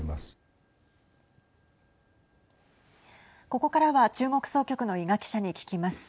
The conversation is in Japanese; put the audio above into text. ここからは中国総局の伊賀記者に聞きます。